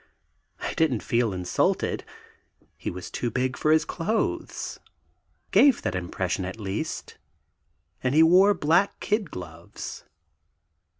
I didn't feel insulted. He was too big for his clothes, gave that impression at least, and he wore black kid gloves.